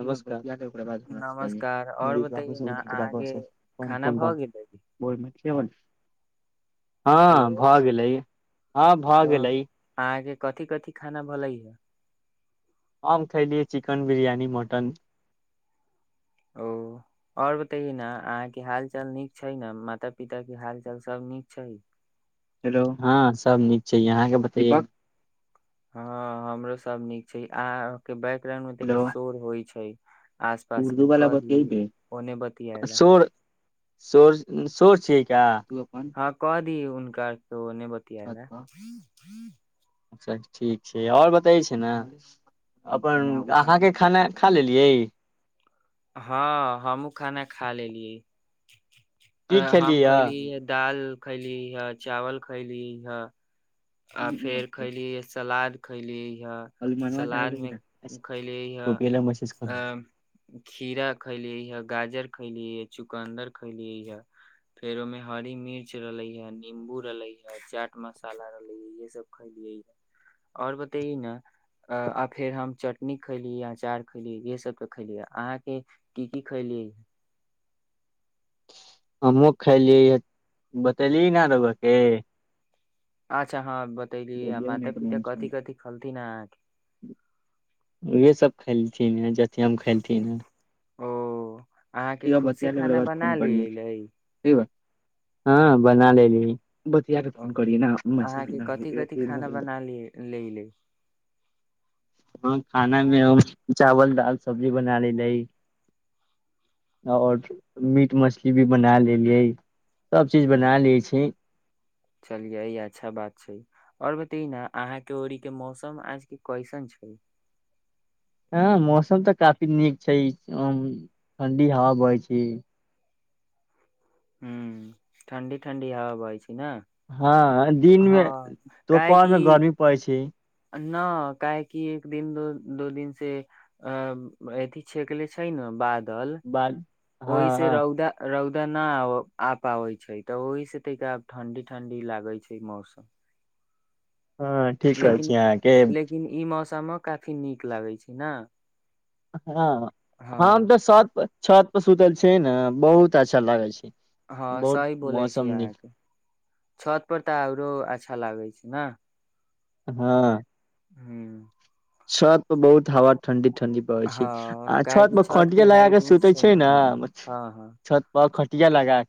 नमस्कार याद नमस्कार और बतैयै ने अहाँके खाना भऽ गेलै [unintelligible] केवल हेलो हँ भ गेलय हँ अ, भ गेलय अहाँके कथि कथि खाना भलय ह हम खयलियै चिकन बिरयानी मटन ओ ओर बतैए ने अहाँके हाल चाल नीक छै न माता पिता के हाल चाल सब नीक छै हेलो हँ सब नीक छै अहाँके बतैए हँ हमरो सब नीक छै अहाँके बै [inaudible] हेलो शोर होइ छै आस पास उर्दू मे वाला क' दि बतैबे ओने बतियाय ल' शोर शोर शोर छिय का तू अपन इ हुनकर त ओने छत बतियाइला [inaudible] पर अच्छा ठीक छै आओर बताय छै न अपन अहाँके खाना खा लेलियै ह हमहुं खाना खा लेलियै अ की खेलियै हम य खयली ह दाल खयली ह चावल खयली ह आ फेर खैली य सलाद खयली अ सलाद मे खइलिय ह अ खीरा खइली ह गाजर खयलियै चुकंदर खयलियै ह फेर ओमे हरी मिर्च रलय य नींबू रलय य चाट मसाला र ये सब खयलियै ह आओर बतैयौ न आ फेर हम चटनी खैली अचार खैली ये सब त खैली अहाँके की की खैलि हमहुँ खलियै ह बतेली न रउआ के आछा [inaudible] कथि खलथिन अहाँके उहे सब खेलथिन ह जेती हम खेलथिन ह ओ अहाँके पूरा खुद से बतिया ले ओकरा खाना बाद बना फोन करिये लेले ठीक ह हँ बना लेलि [inaudible] बतियाके ओ फोन करिये न मैसज अहाँके न कथि कथि खाना बना ले लेले हम खाना मे हम चावल दाल सब्जी बना लै लै आओर मीट मछली भी बना लेलियै सब चीज ओ बना ले छी चलियै अच्छा बात छै ओर बतइ न अहांकें औरीकें मौसम आज के कइसन छै हँ मौसम तऽ काफी नीक छै ठण्डी हवा बहय छै ह ठंडी ठंडी हवा बहय छै ने हँ दिनमे हँ काहेकि दोपहरमे गर्मी पड़य छै न काहेकि एक दिन द दो दिन से अ अथी छेकले छै ने बाद दल बाद ओहि से हँ रौदा रौ तऽ नहि आ पाबै छै तऽ ओहि से त' आब ठंडी ठंडी लागय छै मौसम हँ ठीक कर छी अहाँके समो काफी नीक लागय छै ने हँ हम हँ तऽ सप छत पर सुतल छै ने बहुत अच्छा लागय छै हँ बहुत सही बोलय मौसम छी नीक अहाँके छत पर तऽ आओरो अच्छा लागय छै नहि हँ छत पर बहुत हवा ठंडी ठंडी पड़ै छै हँ आ छत काहेकि पर के खटिया हाइट लगााक ऊँच सुतय छै ने हँ हँ हँ छत पर टिया लगए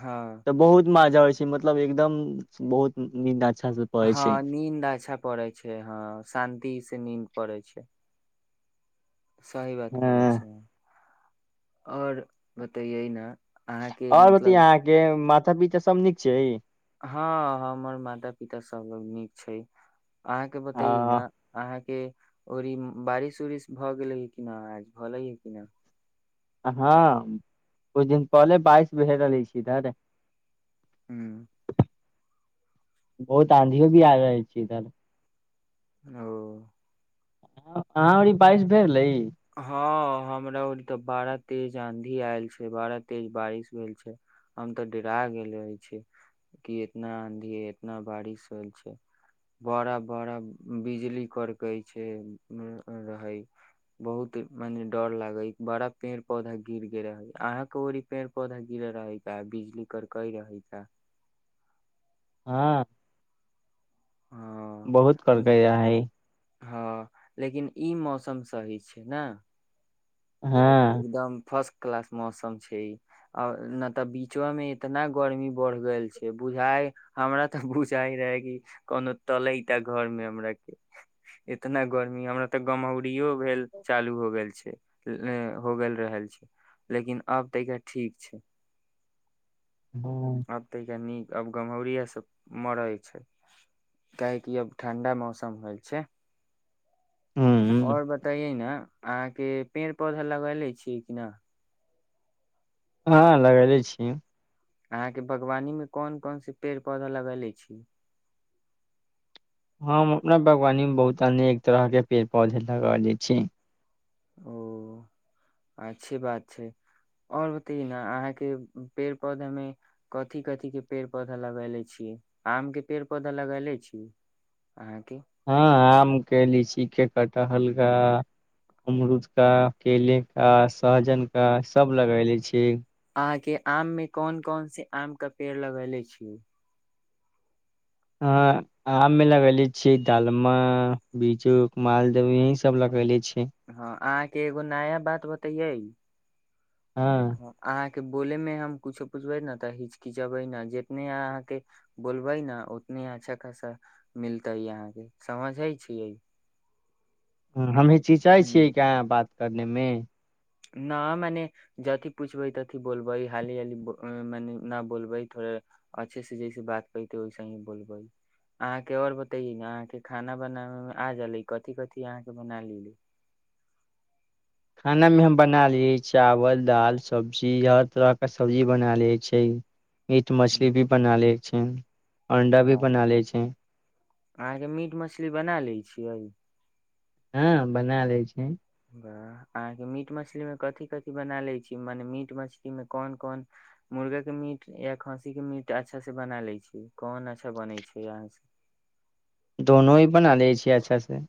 हँ तऽ बहुत म याबय छै मतलब एकदम बहुत नींद अच्छा से पड़ै छै हँ नीन्द अच्छा पड़य छै हँ शान्ति नींन्द पड़ै छै सही बात बोलय हँ छै आओर बतयैय न आओर बतैयै अहाँके म ता पिता सब नीक छै हँ हमर माता पिता सब लोग नीक छै अहाँके बतइ आ न अहाँके ओर ई बारिश उरिश भऽ गेलैय क न आज भऽय कना हँ कुछ दिन पहिले बाइश भए रहलै छै इधर बहुत आँधीयो भी आ रहल छै इधर ओ अहाँ बारिश भेल रहै हँ हमरा र त बड़ा तेज आंधी आयल छै बड़ा तेज बारिश भेल छै हम तऽ डेरा गेल रहे छी कि इतना आंधी इतना बारिश होल छै बड़ा बड़ा बिजली करके छै रहे बहुत मने डर लागे बड़ा पेड़ पौधा गिर गेल रहै अहाँके ओड़ पेड़ पौधा गिरे रहैा बिजली करकई रहै का हँ ह बहुत कलके आय हँ लेकिन ई मौसम सही छै ने हँ एकदम फर्स्ट कलास मौसम छै आ ने तऽ बीचो में एतना गर्मी बढ़ गेल छै बुझााय हमरा ते बुझााय रहे कि कोनो तले ते घर मे हमरा के इतना गर्मी हमरा ते गमहौरी भेल चालू हो गेल छै हो गेल रहल छै लेकिन आब तऽरा ठीक छै ह आब तऽ क नीक अब गमहौरएसँ मरै छै काहेकि अब ठं्डा मौसम होइ छै आओर बताइए ने अहाँके पेड़ पौधा लगा ले छियै किना हँ लगेले छीय अहाँके बागवानीमे कोन कोनस पेड़ पौधा लगेले छी हम हम अपना बागवानी मे बहुत अनेक एक तरहके पेड़ पौधे लगा लैत छी ओ अच्छे बात छै और बतय ने अहाँके पेड़ पौधामे कथी कथीक के पेड़ पौधा लगैले छीियै आम के पेड़ पौधा लगैले छी अहाँके हम केने छि खेत कटहल का अमरूद का केले का सहजन का सब लगेले छी अहा के आम में कोन कोन से आम के पेड़ लगेले छी अ आम मे लगेले छियै दालमा बिजू मालदह यही सब लगेले छीय हँ अहाँके एगो नया बात बतैये हँ अहाँ के बोले मे हम कुछो पूछबै ने तऽ हिचकिचबे ने जितने अहाँ के बोलबे ने उतने अच्छा खासा मिलतै अहाँ के समझ हे छीयै हमही चीचै छियै काँ बात करने मे न मने जथी पूछबै तथि बोलबे हाली हाली मने न बोलबै थोड़े अच्छे से जैसे बात करते वैसे ही बोलबे अहाँके और बतेे ने अहाँके खाना बनाबे मे आ जाले कथिकथि अहाँके बना ली खानामे हम बना लैतै चावल दालि सब्जी हर तरहके सब्जी बना लै छै मीट मछली हम्म, भी बना ले चीन अंडा भी वाह बना लै छै अहाँके मीट मछली बना लैत छियै हँ बना लै छै वाह अहाँके मीट मछली मे कथि कथि बना लैय छी मने मीट मछली मे कोन कोन मुर्गा के मीट या खस्सी के मीट अच्छा से बना लैय छी कोन अच्छा बनै छै अहाँसे दोनो ही बना लैय छियै अच्छा से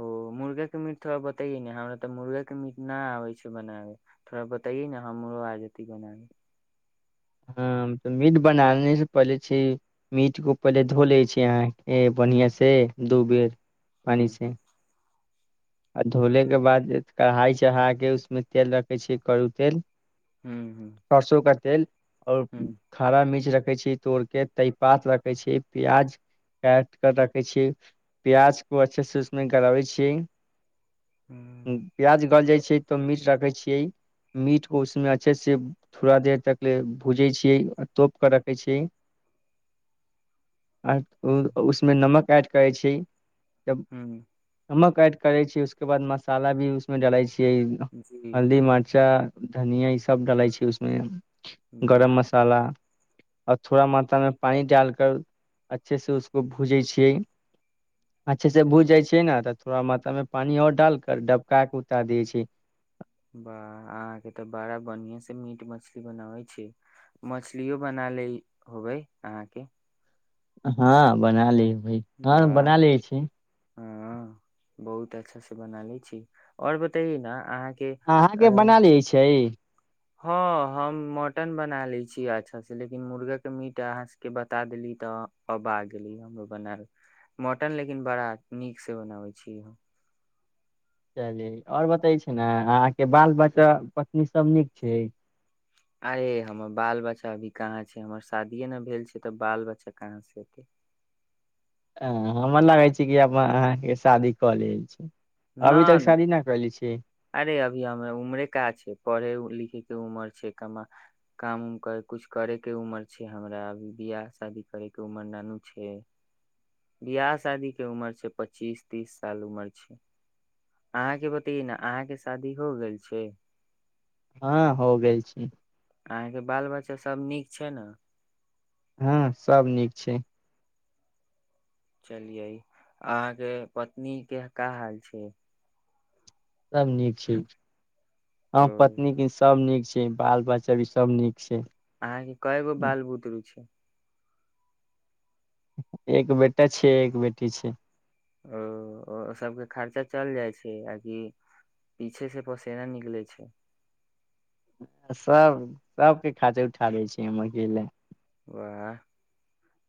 ओ मुर्गा के मीट थोड़ा बताइए ने हमरा तऽ मुर्गा के मीट नहि आबे छै बनाबे थोड़ा बताइये ने हमरो आ जयतै बनाबै हँ मीट बनाने से पहिले छै मीट को पहिले धो ले छी अहाँ ए ह्म बढ़िया से दू बेर पानि ह्म से आ धोले के बाद जे कढ़ाई चढ़ा के उसमे तेल रखै छियै करूअ तेल हूँ सरसों का तेल आओर खारा मिर्च रख रखे छी तोड़ के तेजपात रखै छी प्याज काटि कऽ रखै छी प्याज को अच्छे से उसमे गलाबै छियै प्याज गल जाइ त मीट राखै छियै मीट उसमे अच्छे से थोड़ा देर तक भूजै छियै तोप कऽ रखै छियै आ उसमे नमक काटि करै छी जब ह्म हम करै छी उसके बाद मसाला भी उसमे जलै छी कहि न जी हल्दी मर्चा धनिया ई सब डालै छै उसमे जी गरम मसाला आर थोड़ा मात्रा मे पानी डाल कर अच्छे से उसको भूजै छियै अच्छे से भूज जाइ छियै ने तऽ थोड़ा मात्रा मे पानी और डाल कर डबका के उतार दै छै वाह अहाँके तऽ बड़ा बढ़ियां से मीट मछली बनाबै छी मछलियो बना लए होबै अहाँके हँ बना ली हँ वाह बना लेै छी हँ बहुत अच्छा से बनाबै छी और बताइये ने अहाँ अहाँके बना लै छै हँ हम मटन बना लैत छियै अच्छासँ लेकिन मुर्गाके मीट अहाँ सभके बता देली तऽ अब आ गेली हमरो बनाल मटन लेकिन बड़ा नीकसँ बनाबैत छी हम चली आओर बतै छी ने अहाँके बाल बच्चा पत्नी सभ नीक छै अरे हमर बाल बच्चा अभी कहाँ छै हमर शादीे ने भेल छै तऽ बाल बच्चा कहाँ से एतै हमर लागै छै कि हम अहाँके शादी कऽ ल छै अभी तक शादी न करले छी अरे अभी हमर उमरे का छै पढ़े लिखे के उमर छै कमा काम उम कर कुछ करे के उमर छै हमरा अभी बियाह शादी करे के उमर नानू छै बियाह शादी के उमर छै पच्चीस तीस साल उमर छै अहाँ के बतैयै न अहाँके शादी हो गेल छै हँ हो गेल छी अहाँके बाल बच्चा सब नीक छै ने हँ सब नीक छै चलियै अहाँके पत्नी के का हाल छै सब नीक छै ह ओ पत्नी की सब नीक बाल बच्चा भी सब नीक छै अहाँके क गो बाल बुद रु छै एक बेटा छै एक बेटी छै ओ ओ सबके खर्चा चल जाइ छै आकि पीछे से पोसेना निकलै छै सब सबके खााते उठा दै छी हम अकेले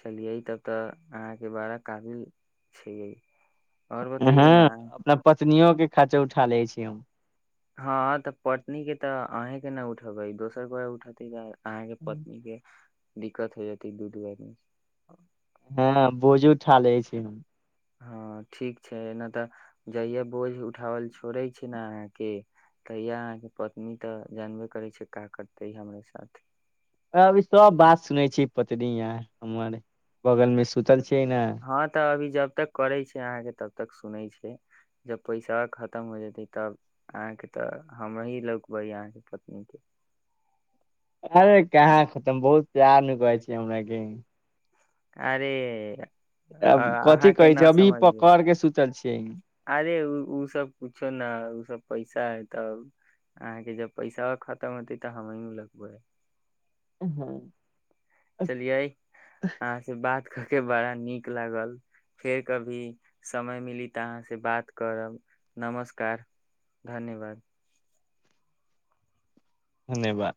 चलिय तब तऽ अहाँके बारा कबिल छिये आओर बतइए न तनियो के खाचा उठा ले छी हम हँ तऽ पत्नी के तऽ अहीं के नहि उठेबै दोसर कोई उठेते त अहाँके पत्नी के दिक्कत होइ जत दूधवर हँ बोजू ठाले छी हँ ठीक छैना तऽ जहिया बोझ उठावल छोड़े छै ने अहाँके तहिया अहाँके पत्नी तऽ जानबे करै छै का करते हमरा साथ अभी सब बात सुनै छी पत्निय हमर बगल में सुतल छी हँ तऽ अभी जब जब तक करे छै अहाँ के तबतक सुनै छै जब पैसा खतम हो जेते तब अहाँ के तऽ हमही लौकबै अहाँके पत्नी के अरे कहाँ खतम बहुत प्यार न कहै छै हमराके आरे अ कथि कहै छै अभी पकड़ के सुूतल छी [inaudible] अरे ओ सब कुछो न ओ सब पैसा है तब अहाँके जब पैसा खतम होते तऽ हमी लकबैै हँ चलिये अहाँ से बात के बड़ा नीक लागल फेर कभी समय मिली तऽ अहाँसँ बात करब नमस्कार धन्यवाद धन्यवाद